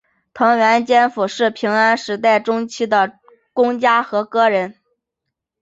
藤原兼辅是平安时代中期的公家和歌人。